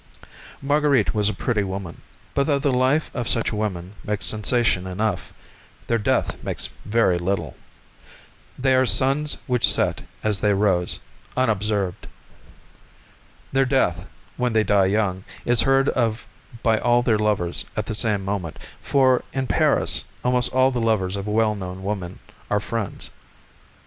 Marguerite was a pretty woman; but though the life of such women makes sensation enough, their death makes very little. They are suns which set as they rose, unobserved. Their death, when they die young, is heard of by all their lovers at the same moment, for in Paris almost all the lovers of a well known woman are friends.